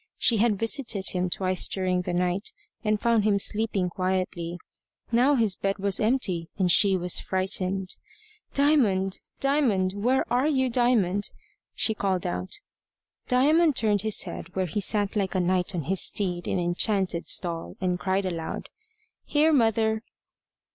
She had visited him twice during the night, and found him sleeping quietly. Now his bed was empty, and she was frightened. "Diamond! Diamond! Where are you, Diamond?" she called out. Diamond turned his head where he sat like a knight on his steed in enchanted stall, and cried aloud, "Here, mother!"